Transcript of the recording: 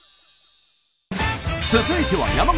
続いては山口。